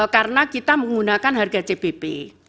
karena kita menggunakan harga cbp